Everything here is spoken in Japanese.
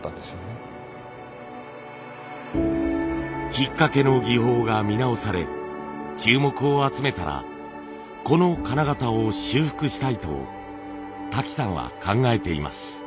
ひっかけの技法が見直され注目を集めたらこの金型を修復したいと瀧さんは考えています。